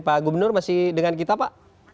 pak gubernur masih dengan kita pak